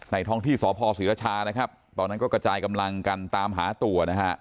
ท้องที่สพศรีรชานะครับตอนนั้นก็กระจายกำลังกันตามหาตัวนะฮะ